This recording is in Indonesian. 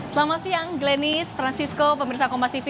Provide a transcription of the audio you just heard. selamat siang glenis francisco pemerintah kompas tv